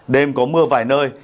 đêm có mưa vài nơi